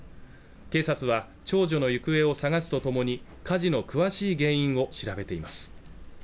警察は長女の行方を捜すとともに火事の詳しい原因を調べています